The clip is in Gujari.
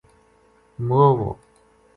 موؤ وو